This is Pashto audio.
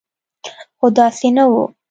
خو داسې نه و.